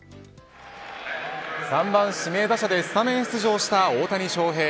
３番指名打者でスタメン出場した大谷翔平。